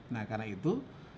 nah karena itu